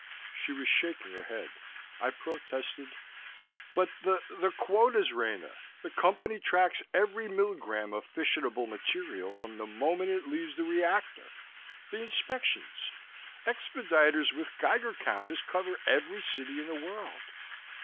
She was shaking her head. I protested, "But the the quotas, Rena. The Company tracks every milligram of fissionable material from the moment it leaves the reactor! The inspections! Expediters with Geiger counters cover every city in the world!"